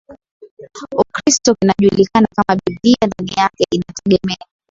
Ukristo kinajulikana kama Biblia Ndani yake inategemea